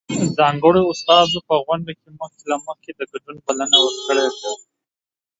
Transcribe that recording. ځانګړو استازو په غونډه کې مخکې له مخکې د ګډون بلنه ورکړې ده.